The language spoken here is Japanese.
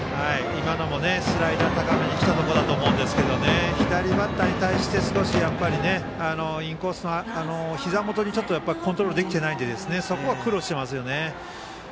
今のもスライダーが高めに来たところだと思いますが左バッターに対して少し、インコースのひざ元にコントロールできていないのでそこは苦労していますよね。